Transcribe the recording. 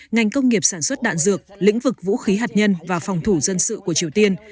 ngành công nghiệp sản xuất đạn dược lĩnh vực vũ khí hạt nhân và phòng thủ dân sự của triều tiên